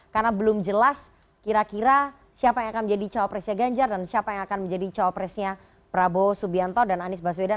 karena belum jelas kira kira siapa yang akan menjadi capresnya ganjar dan siapa yang akan menjadi capresnya prabowo subianto dan anies baswedan